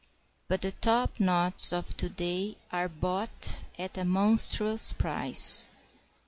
But the topknots of to day are bought at a monstrous price.